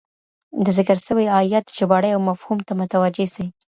د ذکر سوي آيت ژباړي او مفهوم ته متوجه سئ.